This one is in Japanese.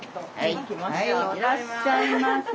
いらっしゃいませ。